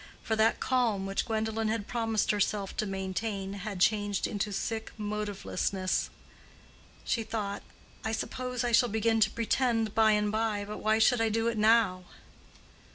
For that calm which Gwendolen had promised herself to maintain had changed into sick motivelessness: she thought, "I suppose I shall begin to pretend by and by, but why should I do it now?"